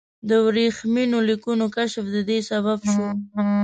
د ورېښمینو لیکونو کشف د دې سبب شو.